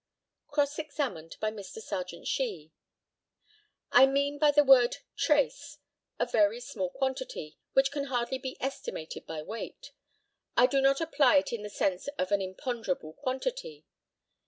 Cross examined by Mr. Serjeant SHEE: I mean by the word "trace" a very small quantity, which can hardly be estimated by weight. I do not apply it in the sense of an imponderable quantity.